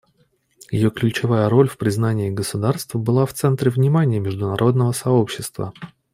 Ее ключевая роль в признании государств была в центре внимания международного сообщества.